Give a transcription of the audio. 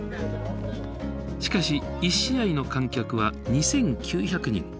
しかし１試合の観客は２，９００人。